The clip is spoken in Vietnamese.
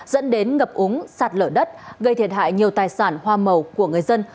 dẫn đến ngập úng sạt lở đất gây thiệt hại nhiều tài sản hoa màu của người dân